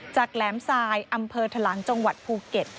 แหลมทรายอำเภอทะลังจังหวัดภูเก็ต